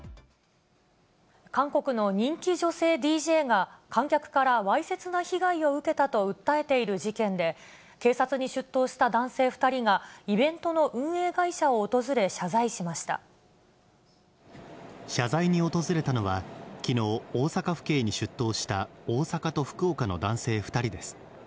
韓国の人気女性ＤＪが、観客からわいせつな被害を受けたと訴えている事件で、警察に出頭した男性２人が、イベントの運営会社を訪れ謝罪し謝罪に訪れたのは、きのう、大阪府警に出頭した大阪と福岡の男性２人です。